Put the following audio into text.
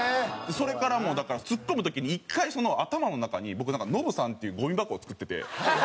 それからもうだからツッコむ時に１回頭の中に僕「ノブさん」っていうゴミ箱を作ってて。